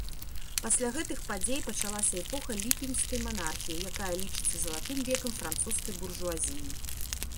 Пасля гэтых падзей пачалася эпоха ліпеньскай манархіі, якая лічыцца залатым векам французскай буржуазіі.